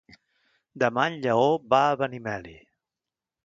Demà en Lleó va a Benimeli.